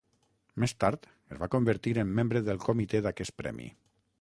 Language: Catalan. Més tard, es va convertir en membre del comitè d'aquest premi.